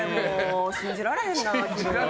信じられへんわ。